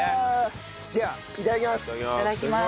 ではいただきます。